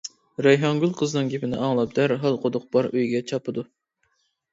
رەيھانگۈل قىزنىڭ گېپىنى ئاڭلاپ دەرھال قۇدۇق بار ئۆيگە چاپىدۇ.